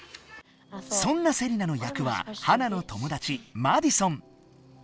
そんなセリナの役はハナのともだちマディソン。